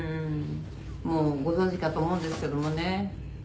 「もうご存じかと思うんですけどもね」